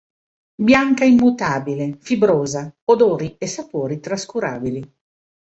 Bianca immutabile, fibrosa, odori e sapori trascurabili.